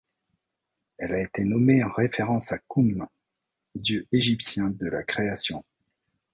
Elle a été nommée en référence à Khnoum, dieu égyptien de la création.